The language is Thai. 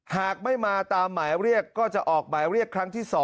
หากไม่มาตามหมายเรียกก็จะออกหมายเรียกครั้งที่๒